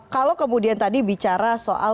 kalau kemudian tadi bicara soal